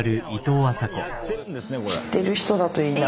「知ってる人だといいな」